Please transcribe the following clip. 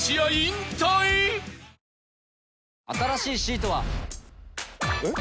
新しいシートは。えっ？